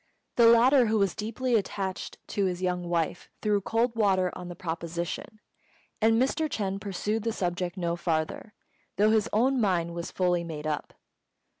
The latter, who was deeply attached to his young wife, threw cold water on the proposition, and Mr. Ch'êng pursued the subject no farther, though his own mind was fully made up.